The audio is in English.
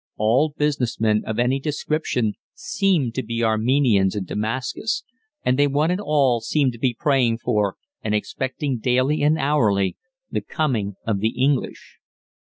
All business men of any description seem to be Armenians in Damascus, and they one and all seemed to be praying for and expecting daily and hourly the coming of the English.